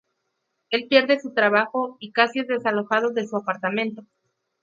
Él pierde su trabajo y casi es desalojado de su apartamento.